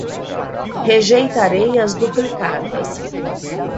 Rejeitarei as duplicatas